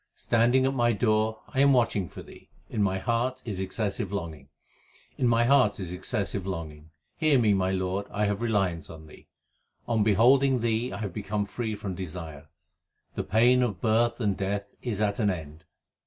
Standing at my door I am watching for Thee ; in my heart is excessive longing ; In my heart is excessive longing ; hear me, my Lord, I have reliance on Thee. On beholding Thee I have become free from desire ; the pain of birth and death is at an end.